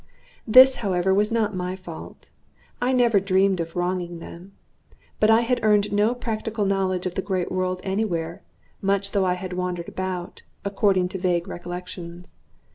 This, however, was not my fault. I never dreamed of wronging them. But I had earned no practical knowledge of the great world any where, much though I had wandered about, according to vague recollections.